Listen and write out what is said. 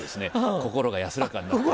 心が安らかになって。